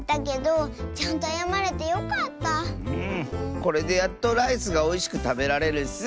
これでやっとライスがおいしくたべられるッス。